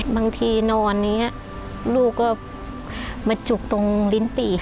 บางทีนอนอย่างนี้ลูกก็มาจุกตรงลิ้นปี